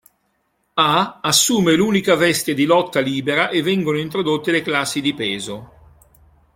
A assume l'unica veste di lotta libera e vengono introdotte le classi di peso.